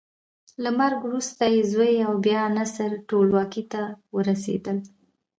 له مرګه وروسته یې زوی او بیا نصر ټولواکۍ ته ورسېدل.